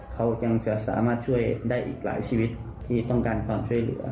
เขายังจะสามารถช่วยได้อีกหลายชีวิตที่ต้องการความช่วยเหลือ